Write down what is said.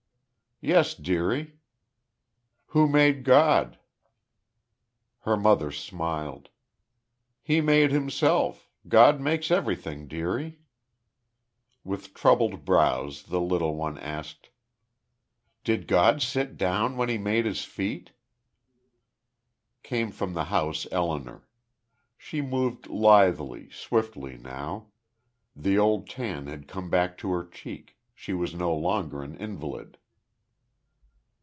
"Yes, dearie." "Who made God?" Her mother smiled. "He made Himself. God makes everything, dearie." With troubled brows the little one asked: "Did God sit down when He made His feet?" Came from the house Elinor. She moved lithely, swiftly, now. The old tan had come back to her cheek; she was no longer an invalid.